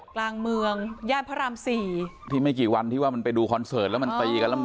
กลางเมืองญาติพระรามสี่ที่ไม่กี่วันที่ว่ามันไปดูแล้วมันตีกันแล้วมัน